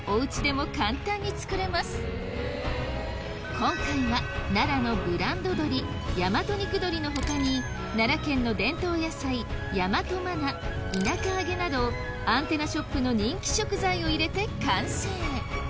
今回は奈良のブランド鶏大和肉鶏の他に奈良県の伝統野菜アンテナショップの人気食材を入れて完成